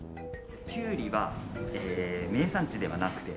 キュウリは名産地ではなくて。